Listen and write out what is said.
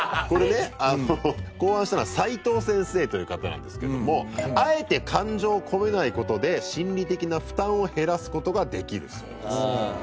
これね考案したのは斉藤先生という方なんですけれどもあえて感情を込めない事で心理的な負担を減らす事ができるそうです。